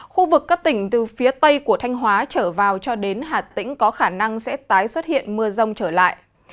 khu vực các tỉnh từ phía tây của thanh hóa trở vào cho đến hà tĩnh có khả năng sẽ tái xuất hiện mưa rông trở lại